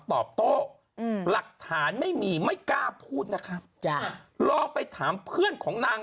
ตอบโต้อืมหลักฐานไม่มีไม่กล้าพูดนะครับจ้ะลองไปถามเพื่อนของนาง